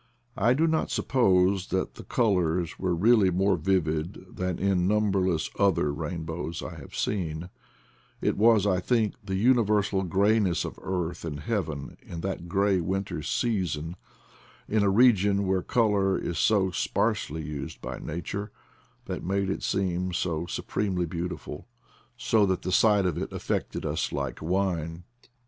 I do not suppose that the colors were really more vivid than in numberless other rainbows I have seen; it was, I think, the universal grayness of earth and heaven in that gray winter season, in a region where color is so sparsely used by Nature, that made it seem so supremely beautiful, so that the sight of it affected us like wine.